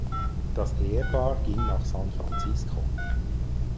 Das Ehepaar ging nach San Francisco.